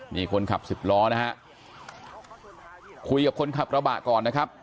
นี่คนขับสิบล้อนะฮะคุยกับคนขับกระบะก่อนนะครับ